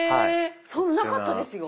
そんななかったですよ。